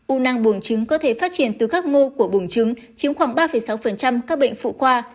u nang bùng trứng có thể phát triển từ các mô của bùng trứng chiếm khoảng ba sáu các bệnh phụ khoa